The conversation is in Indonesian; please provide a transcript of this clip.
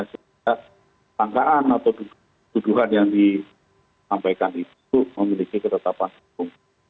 sehingga tangkaan atau tuduhan yang disampaikan itu memiliki ketetapan hukum